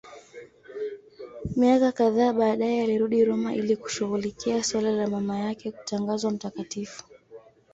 Miaka kadhaa baadaye alirudi Roma ili kushughulikia suala la mama yake kutangazwa mtakatifu.